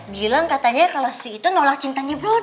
bilang katanya kalau sri itu nolak cintanya brody